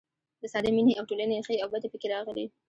د ساده مینې او ټولنې ښې او بدې پکې راغلي.